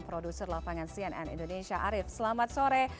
produser lapangan cnn indonesia arief selamat sore